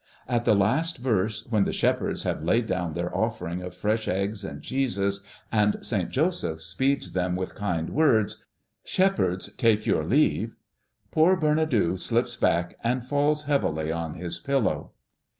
At the last verse, when the shepherds have laid down their offering of fresh eggs and cheeses, and Saint Joseph speeds them with kind words, "Shepherds, Take your leave," poor Bernadou slips back and falls heavily on his pillow.